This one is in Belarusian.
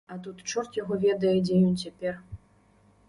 А тут чорт яго ведае, дзе ён цяпер.